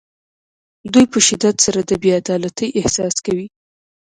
دوی په شدت سره د بې عدالتۍ احساس کوي.